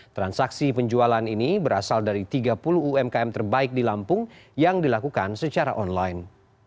transaksi penjualan ini berasal dari tiga puluh umkm terbaik di lampung yang dilakukan secara online